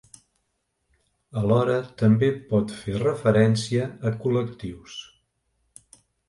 Alhora també pot fer referència a col·lectius.